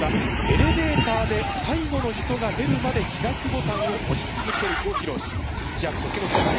「エレベーターで最後の人が出るまで開くボタンをおし続ける」をひろうしいちやく時の人に！